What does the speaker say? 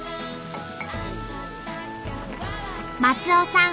松尾さん